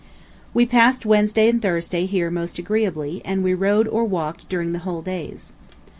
We passed Wednesday and Thursday here most agreeably, and we rode or walked during the whole days.